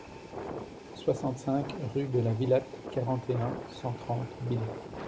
soixante-cinq rue de la Vilatte, quarante et un, cent trente, Billy